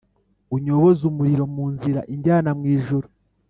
Unyoboze umuriro munzira injyana mu ijuru